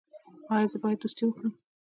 ایا زه باید دوستي وکړم؟